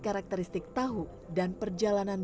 karakteristik tahu dan perjalanan